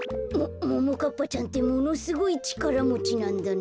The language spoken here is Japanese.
もももかっぱちゃんってものすごいちからもちなんだね。